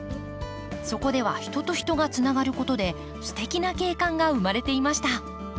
そこでは人と人がつながることですてきな景観が生まれていました。